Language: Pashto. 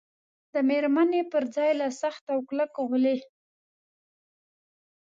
د مېرمنې پر ځای له سخت او کلک غولي.